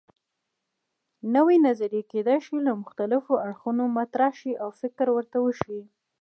نوې نظریې کیدای شي له مختلفو اړخونو مطرح شي او فکر ورته وشي.